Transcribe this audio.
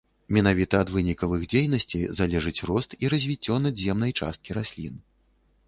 Менавіта ад вынікаў іх дзейнасці залежыць рост і развіццё надземнай часткі раслін.